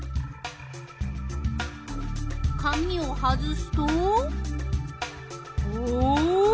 紙を外すと？